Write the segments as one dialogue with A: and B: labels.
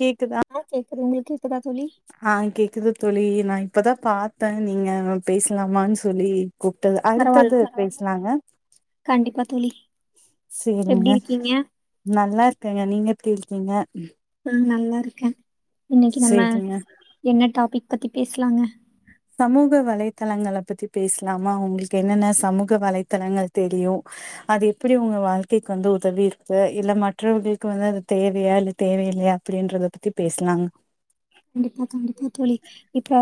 A: கேக்குதா
B: ஆ கேக்குதுங்க
A: ஆ கேக்குதுதோழி நாய் இப்பதா பாத்தே நீங்க பேசலாமான்னு சொல்லி கூப்ட்டது
B: பரவால்ல
A: அடுத்தது
B: பரவால்ல தோழி
A: பேசலாங்க
B: கண்டிப்பா தோழி எப்டி
A: சேரிங்க
B: இருக்கீங்க
A: நல்லா இருக்கங்க நீங்க எப்டி இருக்கீங்க
B: ஆ நல்லா இருக்கே இன்னைக்கு நம்ம
A: சேரிங்க
B: என்ன டாபிக் பத்தி பேசலாங்க
A: சமூக வலைத்தளங்க பத்தி பேசலாமா உங்களுக்கு என்னென்ன சமூக வலைத்தளங்கள் தெரியு அது எப்படி உங்க வாழ்க்கைக்கு வந்து உதவி இருக்கு இல்ல மற்றவர்களுக்கு வந்து அது தேவையா இல்ல தேவையில்லையா அப்படின்றத பத்தி பேசலாங்
B: கண்டிப்பா கண்டிப்பா தோழி இப்ப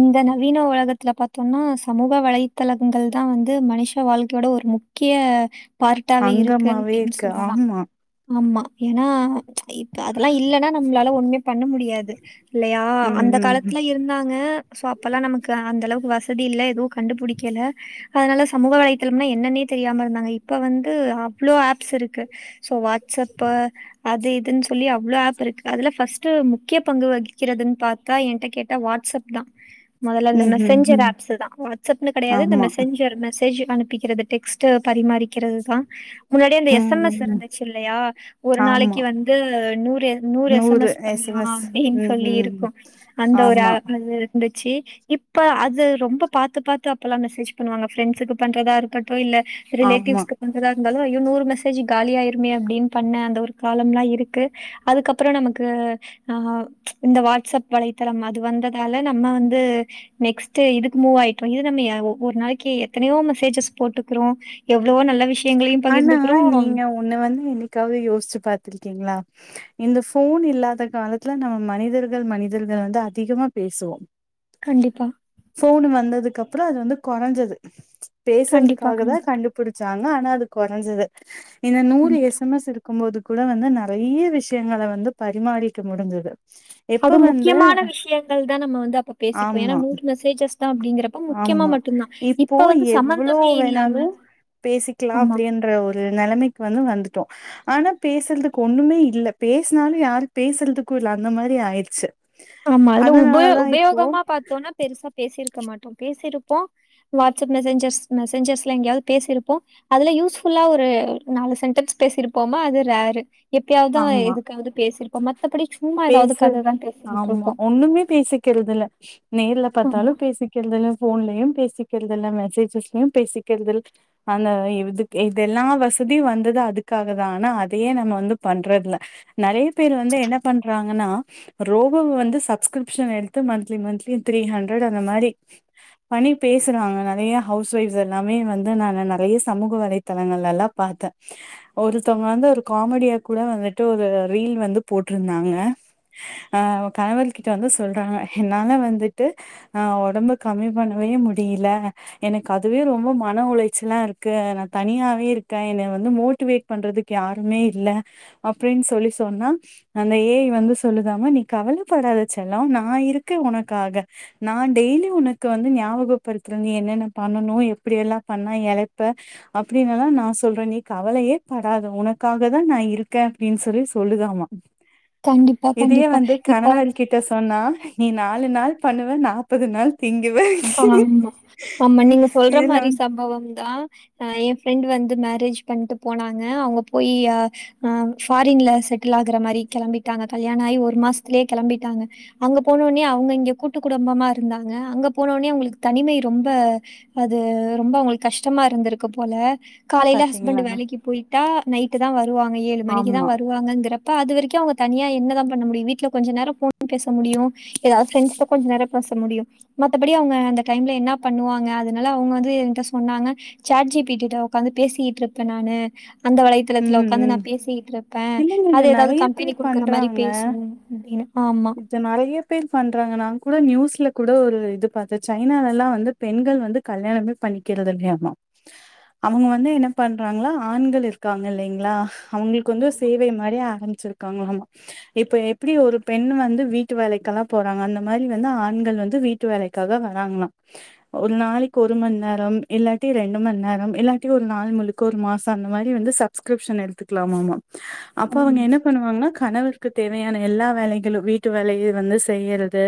B: இந்த நவீன உலகத்துல பாத்தோம்னா சமூக வலைத்தளங்கள் தா வந்து மனுஷ வாழ்க்கையோட ஒரு முக்கிய பார்ட்டாவே இருக்குன்
A: அங்கமாவே
B: ன்னு
A: இருக்கு
B: சொல்லலா
A: ஆமா
B: ஆமா ஏன்னா ச் இப்ப அதெல்லா இல்லன்னா நம்மளால ஒண்ணமே பண்ண முடியாது இல்லையா
A: ம்
B: அந்த
A: ம்
B: காலத்துல இருந்தாங்க சோ அப்பெல்லா நமக்கு அந்த அளவுக்கு வஸ் தி இல்ல வு கண்டுபிடிக்கல அதனால சமூக வலைையத்தளம்னா என்னன்னே தெரியாம இருந்தாங்க இப்ப வந்து அவ்ளோ ஆப்ஸ் இருக்கு சோ வாட்ஸ்அப் அது இத் துன் சொல்லி அவ்ள ஆப் இருக்கு அதுல ஃபஸ்டு முக்கிய பங்கு கிய பங்கு வகிக்கிறதுன்னு பாத்தா என்கிட்ட கேட்ட வாட்ஸ்அப் தா முதல்ல இந்த
A: ம் ம் ம்
B: மெசஞ்சர்
A: ம்.
B: ஆப்ஸ்ல தா வாட்ஸ்அப்ன்ன கடையாது இந்த
A: ஆமா
B: மெசஞ்சர் மெசேஜ் அனு டிக்கிறது டெக்ஸ்ட் பரிமாறிக்கிறது தா முன்னாடி அந்த எஸ்
A: ம்
B: எம்
A: ம்
B: எஸ்
A: ம்.
B: இருந்துச்சு இல்லையா ஒரு
A: ஆமா
B: நாளைக்கு வந்து நூறு நூறு எஸ் எம் எஸ்
A: எம்
B: பண்ணலா
A: எஸ்
B: அப்டின்னு
A: ம்
B: சொல்லி
A: ம்
B: இருக்கு அந்த ஒரு
A: ஆமா
B: அது வந்து இருந்துச்சு இப்ப அது ரொம்ப பாத்து பாத்து அப்பல்லா மெசேஜ் பண்ணுவாங்க ஃப்ரெண்ஸுக்கு பண்றதா இருக்கட்டு இல்ல
A: ஆமா
B: ரிலேட்டிவ்ஸ்கு பண்றதா இருந்தாலு அய்யோ நூறு மெசேஜ் காலியாயிருமே அப்டின்னு பண்ண அந்த ஒரு காலம்லா இருக்கு அதுக்கப்புறோ நமக்கு ஆ ஆ இந்த வாட்ஸ்அப் வலைத்தளம் அது வந்ததால நம்ம வந்து நெக்ஸ்ட் இதுக்கு மூவ் ஆயிட்டோ இது நம்ம ஒரு நாளைக்கு எத்தனையோ மெசேஜஸ் போட்டுக்குரோ
A: ஆனா நீங்க உன்ன வந்து என்னைக்காவது யோசிச்சு பாத் இருக்கீங்களா இந்த ஃபோன் இல்லாத காலத்துல நம்ம மனிதர்கள் மனிதர்கள் வந்து அதிகமா பேசுவோ
B: கண்டிப்பா,
A: ஃபோன் வந்ததுக்கப் அப்புற அது வந்து கொறஞ்சது
B: கண்டிப்பா,
A: பேசுறதுக்காக தா
B: கண்டிப்பா,
A: கண்டுபிடிச்ச இருக்காங்க ஆனா அது கொறைஞ்சது இந்த நூரு
B: கண்டிப்பா.
A: எஸ் எம் எஸ் இருக்கம்போது கூட வந்து நறைய விஷயங்கள வந்து பரிமாறிக்க முடிஞ்சுது
B: அது முக்கியமான விஷயங்கள்தா நம்ம வந்து அப்ப பேசிப்போ ஏன்னா
A: ஆமா
B: நூறு மெசேஜஸ் தான் அப்படிங்கிறப்ப முக்கியமா
A: ஆமா
B: மட்டும் தான்.
A: இப்போ
B: இப்ப வந்து
A: எவ்வளோ
B: சம்மந்தமே இல்லாம
A: வேணாலு பேசிக்கலா
B: ஆமா.
A: அப்பிடின்ற ஒரு நெலமைக்கு வந்து வந்துட்டோ ஆனா பேசுறதுக்கு ஒன்றுமே இல்ல பேசனாலு யாரு பேசுறதுக்கு இல்ல அந்த மாரி ஆயிடிச்சி
B: ஆமா அதுல உப உபயோகமா பாத்தோம்னா பெருசா பேசியிருக்க க்க மாட்டோ பேசிருப்போ வாட்ஸ்சப்ல மெசஞ்சர்ஸ் மெசஞ்சர்ஸ்ல எங்கேயாது பேசிருப்போ அதுல யூஸ்ஃபுல்லா ஒரு நாலு சென்டன்ஸ் பேசிருப்போமா அது ரரு எப்பயாதுதா
A: ஆமா
B: எதுக்காது பேசிரு போமத் த்தப்படி சும்மா எதாவது கததா பேசறது
A: அம்மா ஒன்னுமே பேசிக்கறது இல்ல நேர்ல பாத்தாலு
B: ஆமா.
A: பேசிக்கறதுதல்ல ஃபோன்லயு பேசிக்கிறது இல்ல மெசேஜஸ்லயு பேசிக்கறது இல் அந்த இதுக்கு இத எல்லா வசதியு வந்தது அதுக்காகதா ஆனா அதையே நம்ம வந்து பண்றதுல நெறைய பேர் வந்து என்ன பண்றங்கான ரோபோ வந்து சப்கிரிப்ஸன் எடுத்து மந்திலி மந்திலி திரிஹண்டரட் அந்த மாரி பண்ணி பேசறாங்க நெறையா அவுஸ் வைஃப் எல்லாமே வந்து நாங்க நெறைய சமூக வலைத்தளங்கள் எல்லா பாத்தே ஒருத்தவங்க வந்து ஒரு காமெடியா கூட வந்துட்டு ஒரு ரீல் வந்து போட் ட்ருந்தாங்க ஆ கணவன் கிட்ட வந்து சொல்றாங்க என்னால வந்துட்டு ஆ ஒடம்பு கம்மி பண்ணவே முடியல எனக்கு அதுவே ரொம்ப மன உழைச்சல்லா இருக்கு நா தனியாவே இருக்கே என்ன வந்து மோட்டிவேட்டு பண்ண யாருமே இல்ல அப்பிடின் சொல்லி சொன்னா அந்த ஏய் வந்து சொல்லுமா நீ கவலைப்படாத செல்லம் நா இருக்கே உனக்காக நா டெய்லி உனக்கு வந்து ஞாபகப்படுத்தர நீ என்னென்ன பண்ணனு எப்பிடி எல்லா பண்ணா எழப்ப அப்பிடின்னுல்லா நா சொல்றே நீ கவலையே படாத உனக்காகதா நா இருக்கே அப்பிடின் சொல்லி சொல்லுதாமா
B: கண்டிப்பா,
A: இதே
B: கண்டிப்பா.
A: வந்து
B: இப்ப
A: கணவள்கிட்ட சொன்னா நீ நாலு நாள் பண்ணுவ நாப்பது நாள் திங்
B: ஆமா ஆமா நீங்க சொல்ற
A: இதுல
B: மாரி
A: வந்து
B: சம்பவம்தா ஆ ஏ ஃப்ரெண்ட்டு வந்து மேரேஜ் பண்ட்டு போனாங்க அவுங்க போய் ஆ ஃபாரின்ல செட் ட்டில் ஆகு மாரி கெளம்பிட்டாங்க கல்யாணாயி ஒரு மாசத்திலே கெளம்பிட்டாங்க அங்க போனொன்னே அவங்க இங்க கூட்டு குடும்பமா இருந்தாங்க அங்க போனொன்னே அவுங்களுக்கு தனிமை ரொம்ப அது ரொம்ப அவங்களுக்கு கஷ்டமா இருந்திருக்கு போல காலையில
A: பாத்தீங்களா
B: ஹஸ்பண்டடு வேலைக்கு போயி ட்டா நைட்டுத்தா வரு வாங்க ஏழு மணிக்குதா
A: ஆமா
B: வருவாங்கங்கரப்ப அது வரைக்கு க்கு அவுங்க தனியா என்னதா பண்ண முடியு வீட்ல கொஞ்ச நேரம் ஃபோன் பேச முடியு எதா ஃப்ரெஸ்ட்டா கொஞ்ச நேரம் பேச முடியு மத்தபடி அவங்க அந்த டைம்ல என்ன பண்ணுவாங்க அதனால அவங்க வந்து ஏட்ட சொன்னாங்க சாட்ஜி பீட்டுட்ட உக்காந்து பேசிட்டு இருப்பே நானு அந்த வலைத்தளத்தில
A: ம்
B: உக்காந்து நா
A: ம்
B: பேசிக்கிட்டு இருப்பே
A: இல்லங்க இது
B: அது எதாவது
A: நெறைய
B: கம்பெனி குடுக்குற மாரி பேசுவு அப்பிடின்
A: இத்த நெறைய பேர் பண்றாங்க நாங்க் கூட நியூஸ் ஸ்ல கூட ஒரு இது பாத்த சைனால எல்லா வந்து பெண்கள் வந்து கல்யாணமே பண்ணிக்கிறது இல்லையாமா அவங்க வந்து என்ன பண்றாங்களா ஆண்கள் இருக்காங்க இல்லைங்களா அவங்களுக்கு வந்து
B: ஆமா.
A: சேவை மாரி ஆரம்பிச்சிருக் க்காங்கலாமா இப்ப எப்பிடி ஒரு பெண் வந்து வீட்டு வேலைக்குல்லா போறாங்க அந்த மாரி வந்து ஆண்கள் வந்து வீட்டு வேலைக்காக வராங்களா ஒரு நாளைக்கு ஒரு மணி நேரம் இல்லாட்டி ரெண்டு மணி நேரம் இல்லாட்டி ஒரு நாள் முழுக்க ஒரு மாசோ அந்த மாரி வந்து சப்ஸ்கிரிப்ஷன் எடுத்துக்கலாமாமா அப்ப அவங்க
B: ம்.
A: என்ன பண்ணுவாங்கன்னா கணவர் க்கு தேவையான எல்லா வேலைக் வீட்டு வேலைய வந்து செய்யரது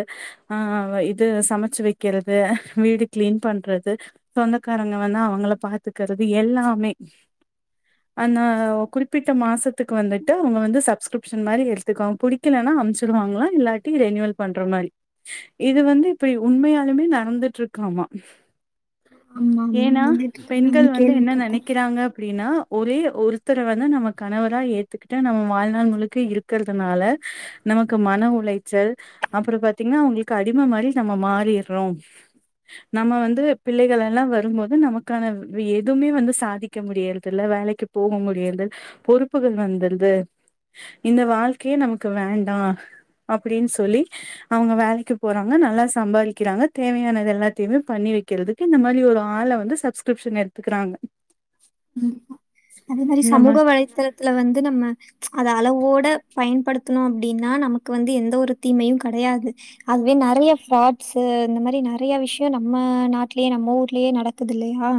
A: ஆ ஆ இது சமச்சு வக்கிறது வீடு கீளன்பண்றது சொந்தக்காரங்க வந்தா அவங்கள பாத்துக்கறது எல்லாமே அந்த குறிப்பிட்ட மாசத்துக்கு வந்துட்டு அவங்க வந்து சப்ஸ்கிரிப்ஷன் மாரி எடுத்தக்வாங் புடிக்கலனா அம்ச்சு சிருவாங்களா இல்லாட்டி ரெனுவல் பண்ற மாரி இது வந்து இப்டி உண்மையாலுமே நடந்துட்ருக்காமா
B: ஆமா ஆமா வந்துட்டு இருக் நா
A: வந்து என்ன
B: கேள்விப்பட்டே
A: நெனைக்கிறாங்க அப்டின்னா ஒரே ஒருத்தர வந்து நம்ம கணவரா ஏத்துக்கிட்டு நம்ம வாழ்நாள் முழுக்க இருக்கிறதுனால நமக்கு மன உழைச்சல் அப்புறெ பாத்தீங்கன்னா அவங்களுக்கு அடிம மாரி நம்ம மாறிர்ரொ நம்ம வந்து பிள்ளைகளல்லா வரும்போது நமக்கான எதுமே வந்து சாதிக்க முடியறதில்ல வேலைக்கு போக முடியாது பொறுப்புகள் வந்துருது இந்த வாழ்க்கையே நமக்கு வேண் தா அப்டின்னு சொல்லி அவங்க வேலைக்கு போறாங்க நல்லா சம்பாதிக்கிறாங்க தேவையானது எல்லாத்தையுமே பண்ணி வக்கிறதுக்கு இந்த மாதிரி ஒரு ஆள வந்து சப்ஸ்கிரிப்ஷன் எடுத்துக்கறாங்க
B: அதே மாரி சமூக வலைத்தளத்துல வந்து நம்ம அத அளவோட பயன்படுத்துணோ அப்டின்னா நமக்கு வந்து எந்த ஒரு தீமயு கடையாது அதுவே நறைய ஃபாட்ஸு இந்த மாரி நறையா விஷயோ நம்ம நாட்டுலயே நம்ம ஊர்லயே நடக்குது இல்லயா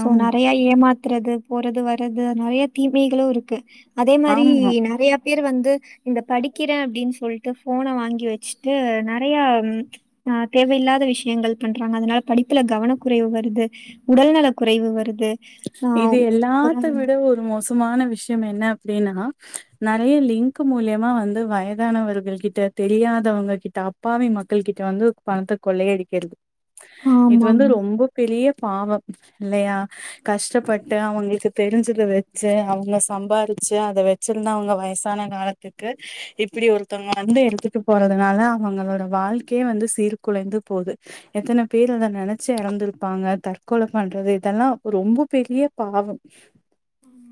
B: சோ
A: ஆமா
B: நெறையா ஏமாத் த்துறது போறது வர்றது அது நறைய தீமைகளு இருக்கு அதே மாரி
A: ஆமா
B: நறையா பேர் வந்து இந்த படிக்கிறே அப்டின்னு சொல்ட்டு ஃபோன வாங்கி வச்சுட்டு நறையா ஆ தேவஇல்லாத விஷயங்கள் பண்றாங்க அதனால படிப்புல கவன குறைவு வருது உடல்நல குறைவு வரு து
A: இது எல்லாத்த விட ஒரு மோசோ முக்கியமான விஷயோ என்ன அப்டின்னா நெறையா லிங்க் மூலியமா வந்து வயதானவர்கள் கிட்ட தெரியாதவங்க கிட்ட அப்பாவி மக்கள் கிட்ட வந்து பணத்த கொள்ள அடிக்கிறது இது வந்து
B: ஆமாமா.
A: ரொம்ப பெரிய பாவம் இல்லயா கஷ்டப்பட்டு
B: கண்டிப்பா.
A: அவங்களுக்கு தெரிஞ்சு இத வச்சு அவங்க சம்பாதிச்சு அத வச்சிருந்து அவங்க வயசான காலத்துக்கு இப்படி ஒருத்தவங்க வந்து எடுத்துட்டு போறதுனால அவங்களோட வால்க்கையே வந்து சீர்குலைந்து போது எத்தன பேர் அத நினைச்சு எறந்திருப்பாங்க தற்கொல பண்றது இதெல்லா ரொம்ப பெரிய பாவோ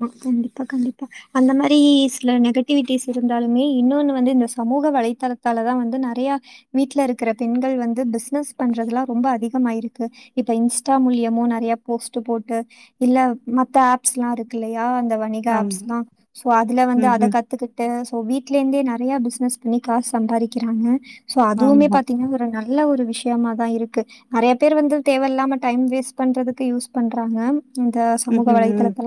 B: ஆ கண்டிப்பா கண்டிப்பா அந்த மாரி சில நெகட்டிவிட்டிஸ் இருந்தாலுமே இன்னொன்னு வந்து இந்த சமூக வலைத்தளத்தாலதா வந்து நெறைய வீட்டுல இருக்கிற பெண்கள் வந்து பிஸ் னஸ் பண்றதுல்லா ரொம்ப அதிக் ஆமா இருக்கு இப்ப இன்ஸ்டா மூலியமோ நெறைய போஸ்ட் போட்டு இல்ல மத்த ஆப் ஸ்லா இருக்குல்லயா தா அந்த வணிக
A: ஆமா
B: ஆப்ஸ்லா சோ அதுல வந்து
A: ம்
B: அத
A: ம்
B: கத்துக்கிட்டு இப்போ வீட்லந்தே நெறைய பிசினஸ் பண்ணி காசு சம்பாதிக்கிறாங்க சோ அதுவுமே
A: ஆமா
B: பாத்தீங்கன்னா ஒரு நல்ல ஒரு விஷய விஷயமா தா இருக்கு நறைய பேர் வந்து தேவையில்லாம டைம் வேஸ்ட் பண்றதுக்கு யூஸ் பண்றாங்க இந்த
A: ம்
B: சமூக
A: ம் ம்
B: வலைத்தலத்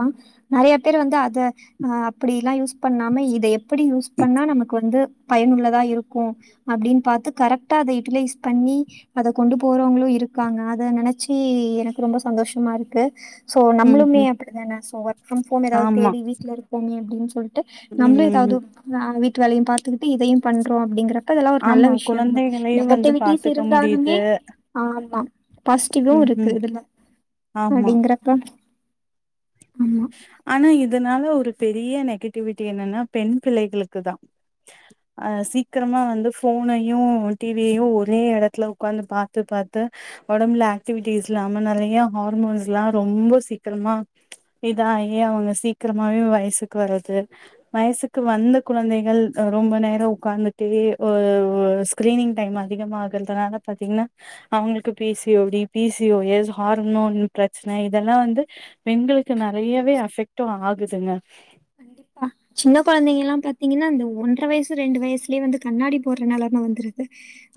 B: நறைய பேர் வந்து அத அ அப்டில்லா யூஸ் பண்ணாம இதய அப்படி யூஸ் பண்ணா நமக்கு வந்து பயனுள்ளதா இருக்கோ அப்படின்னு பாத்து கரெக்டா அத யூட்டிலைஸ் பண்ணி அத கொண்டு போறவங்களோ இருக்காங்க அத நனைச்சு எனக்கு ரொம்ப சந்தோஷமா இருக்கு சோ
A: ம்
B: நம்மளுமே
A: ம்
B: அப்படி தான ஸோ ஒர்க் ஃபிரம் ஹோம் ஏதாவது
A: ஆமா
B: தேடி வீட்ல இருப்போமே அப்டின்னு சொல்ட்டு
A: ம்
B: நம்மளு
A: ம்
B: ஏதாவது
A: ம்
B: ஆ வீட் ட்டு வேலையு பாத்துகிட்டு இதையு பண்றோ அப்டிங்கறப் அதெல்லா ஒரு நல்ல
A: ஆமா
B: விஷயந்தா
A: குழந்தைகளையு வந்து
B: நெகட்டிவிட்டிஸ்
A: பாத்துக்க
B: இருந்தாலுமே
A: முடியுது
B: ஆமா பாசிட்டிவு
A: ம்
B: இருக்கு
A: ம்
B: இதுல
A: ஆமா
B: அப்டிங்கிறப்ப
A: ஆனா இதனால ஒரு பெரிய நெகட்டிவிட்டி என்னன்னா பெண் பிள்ளைகளுக்குதா அ சீக்கிரமா வந்து ஃபோனயு டிவியையு ஒரே எடத்துல உக்காந்து பாத்து-பாத்து ஒடம்புல அஃட்டிவிட்டீஸ் இல்லாம நெறைய ஹார்மோன்ஸ்லா ரொம்ப சீக்கிரமா புரியுதா ஏ அவங்க சீக்கிரமாவே வயசுக்கு வர்து வயசுக்கு வந்த குழந்தைகள் ரொம்ப நேரோ உக்காந்துட்டே ஒரு ஸ்கிரீனிங் டைம் அதிகமாகறதுனால பாத்தீங்கன்னா அவங்களுக்கு பி சி ஓடி B C O S hormone பிரச்சன இதெல்லா வந்து பெண்களுக்கு நெறையவே அஃபெக்டு ஆகுதுங்க
B: ஆ சின்ன குழந்தைங்கல்லா பாத்தீங்கன்னா இந்த ஒன்ற வயசு ரெண்டு வயசுலேயே வந்து கண்ணாடி போடுற நெலம வந்திருது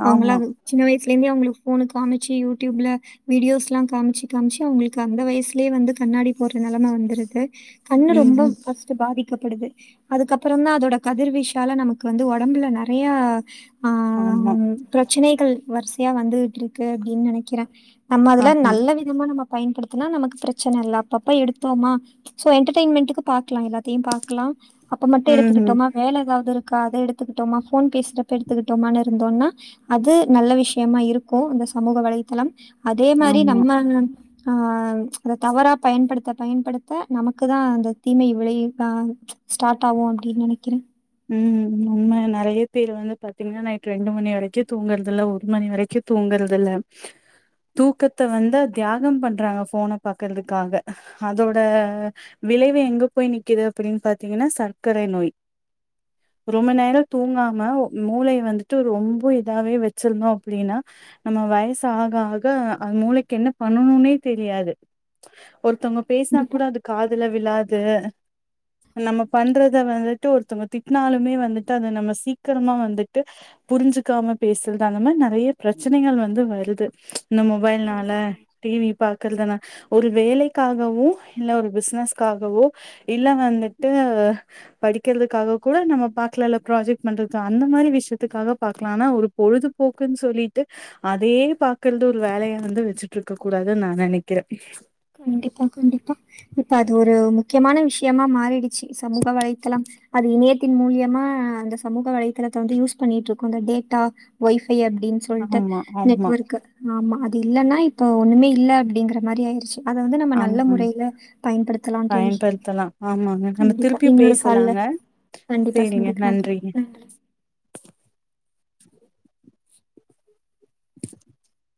B: அவங்களா
A: ஆமா
B: அது சின்ன வயசுல இருந்தே அவங்களுக் ஃபோன காமிச்சு யூடியூபில்ல வீடியோஸ்லா காமிச்சு காமிச்சு அவங்களுக்கு அந்த வயசுலயே வந்து கண்ணாடி போடுற நெலம வந்துருது கண்ணு ரொம்ப
A: ம்
B: [unintelligible] பாதிக்கப்படுது அதுக்கப்புறந்தா அதோட கதிர்வீச்சால நமக்கு வந்து ஒடம்புல நெறையா ஆ
A: ஆமா
B: பிரச்சனைகள் வரிசையா வந்துட்ருக்கு அப்டின்னு நனைக்கிறே நம்ம அதுல
A: ஆமா
B: நல்ல விதமா நம்ம பயன்படுத்தனா நமக்கு பிரச்சன இல்ல அப்பப்ப எடுத்தோமா ஸோ என்டர்டைமென்டுக்கு பாக்லா எதாது தி பாக்லா அப்ப மட்டு
A: ம்
B: எடுத்துக்கிட்டோம்னா வேல ஏதாவது இரு காத எடுத்துக்கிட்டோமா ஃபோன் பேசுறப்ப எடுத்துக்கிட்டோமானு இருந்தோனா அது நல்ல விஷயமா இருக்கு அந்த சமூக வலைத்தளம் அதே மாரி
A: ஆமா
B: நம்ம ஆ வ் அத தவறா பயன்படுத்த பயன்படுத்த நமக்கு தா அந்த தீமை விளையு ஆ ஸ்டாட் ஆகு அப்டின்னு நனைக்கிறே
A: உ உ உன்ம நறையா பேரு வந்து பாத்திங்கன்னா நைட் ரெண்டு மணி வரைக்கு தூங்குறதுல்ல ஒரு மணி வரைக்கு தூங்குறதுல்ல தூக்கத்த வந்து தியாகம் பண்றாங்க ஃபோன பாக்குறதுக்காக அதோட விளைவு எங்க போய் நிக்குது அப்படின்னு பாத்திங்கன்னா சர்க்கரை நோய் ரொம்ப நேரோ தூங்காம மூளய வந்துட்டு ரொம்ப இதாவே வச்சிருந்தோ அப்டின்னா நம்ம வயசு ஆக ஆக அ மூளைக்கு என்ன பண்ணணும்னே தெரியாது ஒருதவங்க பேஸினா கூட அதுக்கு ஆர் காதுல விழாது நம்ம பண்றத வந்து ட்டு ஒருத்தவங்க திட்னாலுமே வந்துட்டு அத நம்ம சீக்கிரமா வந்துட்டு புரிஞ்சுக்காம பேசுறது அந்த மாரி நெறைய பிரச்சனைகள் வந்து வருது இந்த மொபைல்னால டி வி பாக்குறது ஆனா ஒரு வேலைக்காகவோ இல்ல ஒரு பிஸ்னஸ்க்காகவோ இல்ல வந்துட்டு படிக்கிறதுக்காக கூட நம்ம பாக்கலா இல்ல ப்ராஜெக்ட் பண்றதுக்கு அந்த மாரி விஷயத்துக்காக பாக்கலா ஆனா ஒரு பொழுதுபோக்குன்னு சொல்லிட்டு அதையே பாக்கறது ஒரு வேலையா வந்து வெச்சுட்ருக்க கூடாதுன்னு நா நெனைக்கிறே
B: கண்டிப்பா கண்டிப்பா இப்ப அது ஒ ரு முக்கியமான விஷ்யமா மாறிடு ச்சி சமூக வலைத்தளம் அது இணைய த்தின் மூலியமா அந்த சமூக வலைதளத்த வந்து யூஸ் பண்ணிட்ருக்கோ இந்த டேட்டா வை ஃபை அப்டின்னு சொல்ட்டு
A: ஆமா ஆமா
B: நெட்வொர்க்கு ஆமா அ து இல்லனா இப்ப ஒண்ணுமே இல்ல அப்டிங்கற மாரி ஆயிருச்சு அத வந்து நம்ம நல்ல
A: ஆமா
B: முறையில பயன்படுத்தலாந் தோழி
A: பயன்படுத்தலாம் ஆமாங்க. நம்ம
B: கண்டிப்பா
A: திருப்பியும்
B: இன்னொரு கால்ல
A: பேசலாங்க.
B: கண்டிப்பா
A: சேரிங்க
B: சந்திக்கலா தோழி
A: நன்றிங்க.
B: நன்றி
A: [unintelligible]